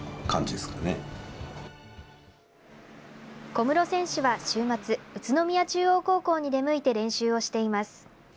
小室選手は週末宇都宮中央高校に出向いて練習をしています。